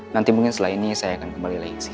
nanti mungkin setelah ini saya akan kembali lagi